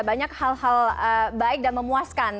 banyak hal hal baik dan memuaskan